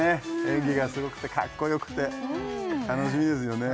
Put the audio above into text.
演技がすごくてかっこよくて楽しみですよね